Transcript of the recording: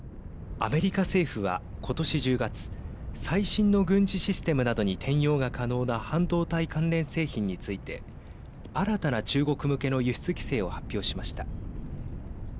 アメリカ政府は今年１０月最新の軍事システムなどに転用が可能な半導体関連製品について新たな中国向けの輸出規制を発表しました。